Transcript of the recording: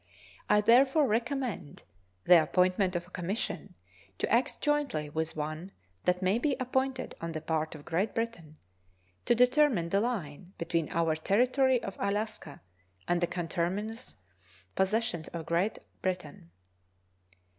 I therefore recommend the appointment of a commission, to act jointly with one that may be appointed on the part of Great Britain, to determine the line between our Territory of Alaska and the conterminous possessions of Great Britain.